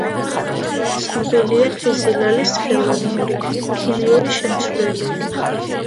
ცნობილია ხიზილალის ხელოვნური, „ქიმიური“ შემცვლელები.